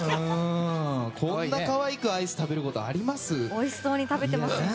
こんな可愛くアイス食べることあります？